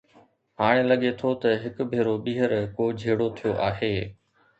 هاڻ لڳي ٿو ته هڪ ڀيرو ٻيهر ڪو جهيڙو ٿيو آهي.